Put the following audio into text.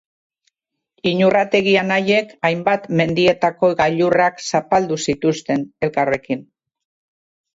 Iñurrategi anaiek hainbat mendietako gailurrak zapaldu zituzten elkarrekin.